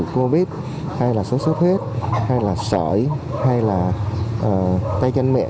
covid hay là sốt sốt huyết hay là sởi hay là cây chanh miệng